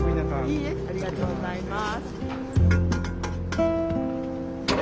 いいえありがとうございます。